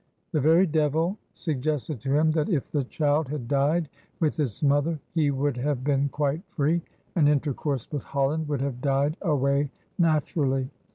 The very devil suggested to him that if the child had died with its mother he would have been quite free, and intercourse with Holland would have died away naturally.